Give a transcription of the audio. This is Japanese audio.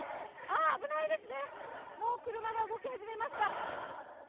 あっ、危ないですね、もう車が動き始めました。